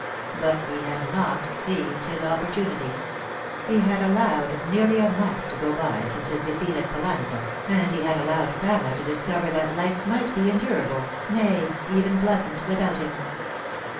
But he had not seized his opportunity. He had allowed nearly a month to go by since his defeat at Pal lanza, and he had allowed Pamela to discover that life might be endurable, nay, even pleasant, without him.